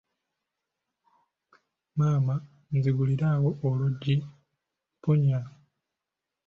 Maama nzigulirawo oluggi mpunya.